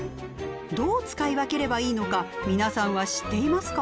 どう使い分ければいいのか皆さんは知っていますか？